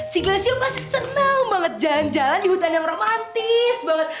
si gilesio pasti seneng banget jalan jalan di hutan yang romantis banget